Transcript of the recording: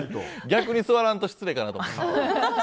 逆に座らんと失礼かなと。